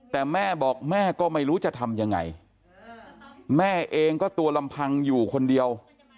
แต่แม่บอกแม่ก็ไม่รู้จะทำยังไงแม่เองก็ตัวลำพังอยู่คนเดียว